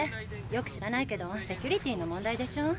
よく知らないけどセキュリティーの問題でしょ。